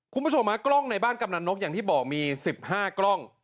คุณผู้ชมฮะกล้องในบ้านกำนันนกอย่างที่บอกมี๑๕กล้อง